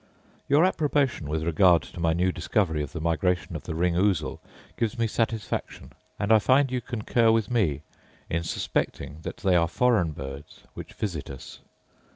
Your approbation, with regard to my new discovery of the migration of the ring ousel, gives me satisfaction; and I find you concur with me in suspecting that they are foreign birds which visit us.